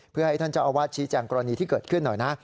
เพื่อให้ท่านเจ้าอาวาสชี้แจงกรณีที่เกิดขึ้นหน่อยนะ